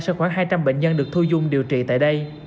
cho khoảng hai trăm linh bệnh nhân được thu dung điều trị tại đây